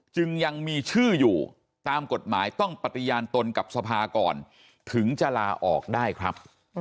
จึงยังมีชื่ออยู่ตามกฎหมายต้องปฏิญาณตนกับสภาก่อนถึงจะลาออกได้ครับ